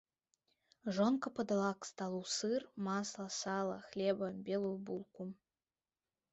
Жонка падала к сталу сыр, масла, сала, хлеба, белую булку.